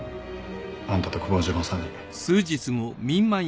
あんたと久保島さんに。